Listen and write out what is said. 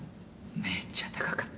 めっちゃ高かった。